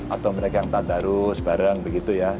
atau mereka yang tanda rus bareng begitu ya